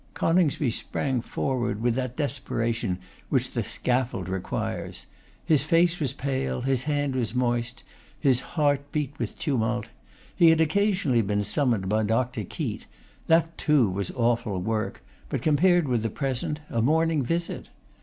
Coningsby sprang forward with that desperation which the scaffold requires. His face was pale; his hand was moist; his heart beat with tumult. He had occasionally been summoned by Dr. Keate; that, too, was awful work, but compared with the present, a morning visit.